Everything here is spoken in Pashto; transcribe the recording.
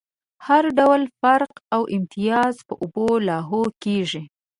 هر ډول فرق او امتياز په اوبو لاهو کېږي.